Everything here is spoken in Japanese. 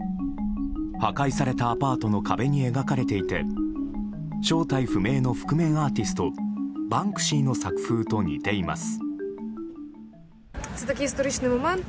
破壊されたアパートの壁に描かれていて正体不明の覆面アーティストバンクシーの作風と似ています。